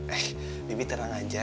eh bibi terang aja